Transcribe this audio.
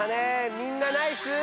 みんなナイス。